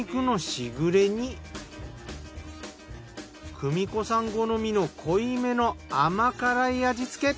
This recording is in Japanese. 久美子さん好みの濃いめの甘辛い味つけ。